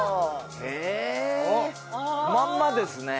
まんまですね。